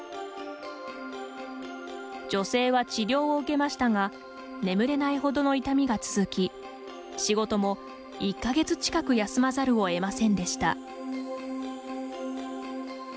女性は治療を受けましたが眠れないほどの痛みが続き仕事も１か月近く休まざるを得ませんでした。